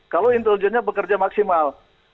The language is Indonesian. kalau intelijennya bekerja maksimal